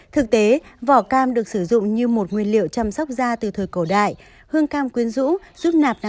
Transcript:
thực tế vỏ cam được sử dụng như một nguyên liệu chăm sóc da từ thời cầu đại